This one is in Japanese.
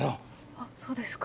あっそうですか。